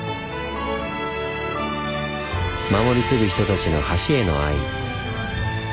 守り継ぐ人たちの橋への愛。